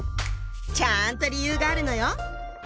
ちゃんと理由があるのよ！